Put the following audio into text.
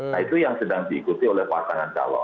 nah itu yang sedang diikuti oleh pasangan calon